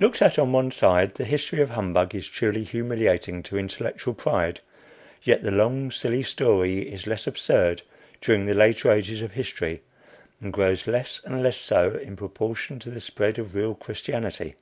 Looked at on one side, the history of humbug is truly humiliating to intellectual pride, yet the long silly story is less absurd during the later ages of history, and grows less and less so in proportion to the spread of real Christianity.